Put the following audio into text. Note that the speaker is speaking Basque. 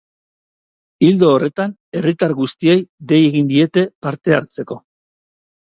Ildo horretan, herritar guztiei dei egin diete parte hartzeko.